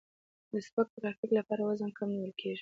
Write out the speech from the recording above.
د سپک ترافیک لپاره وزن کم نیول کیږي